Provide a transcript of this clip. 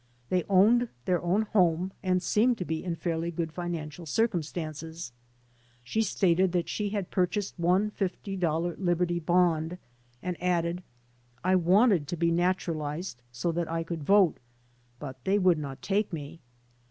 They owned their own home and seemed to be in fairly good financial circumstances. She stated that she had purchased one fifty dollar Liberty Bond and added : l wanted to be naturalized so that I could vote, but they would not take me."